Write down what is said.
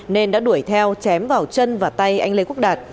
nên đã đuổi theo chém vào chân và tay anh lê quốc đạt